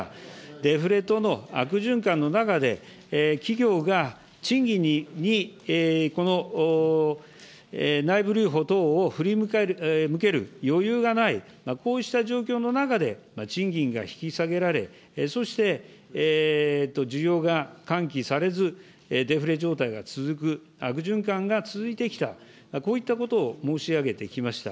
デフレ等の悪循環の中で、企業が賃金に、この内部留保等を振り向ける余裕がない、こうした状況の中で、賃金が引き下げられ、そして、需要が喚起されず、デフレ状態が続く悪循環が続いてきた、こういったことを申し上げてきました。